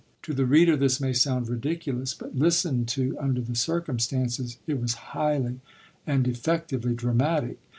To the reader this may sound ridiculous, but listened to under the circumstances, it was highly and effectively dramatic.